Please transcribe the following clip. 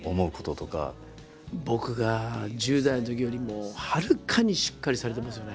僕が１０代のときよりもはるかにしっかりされてますよね。